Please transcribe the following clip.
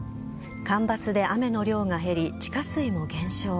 干ばつで雨の量が減り地下水も減少。